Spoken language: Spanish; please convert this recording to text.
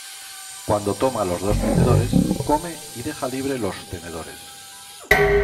Cuando toma los dos tenedores, come y deja libre los tenedores.